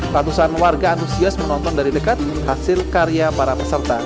ratusan warga antusias menonton dari dekat hasil karya para peserta